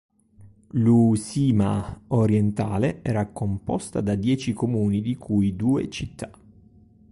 L'Uusimaa orientale era composta da dieci comuni, di cui due città.